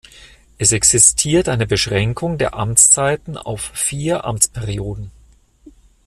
Es existiert eine Beschränkung der Amtszeiten auf vier Amtsperioden.